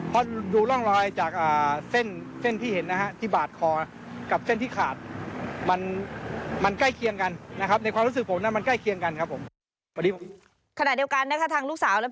เพราะดูร่องรอยจากเส้นที่เห็นนะครับ